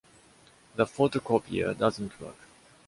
The photocopier doesn’t work.